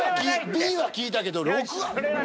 Ｂは聞いたけど６は。